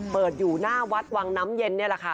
อยู่หน้าวัดวังน้ำเย็นนี่แหละค่ะ